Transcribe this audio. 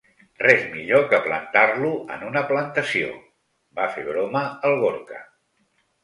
Res millor que plantar-lo en una plantació —va fer broma el Gorka.